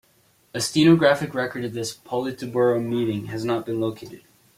A stenographic record of this Politburo meeting has not been located.